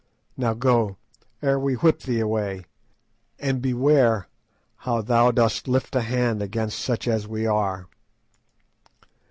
Now go, ere we whip thee away, and beware how thou dost lift a hand against such as we are."